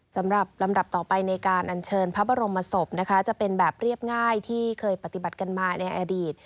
สำหรับลำดับต่อไปในการอัญเชิญพระบรมศพนะคะจะเป็นแบบเรียบง่ายที่เคยปฏิบัติกันมาในอดีต